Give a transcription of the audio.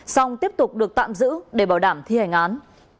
xong tiếp tục được tạm giữ để bảo đảm thi hành án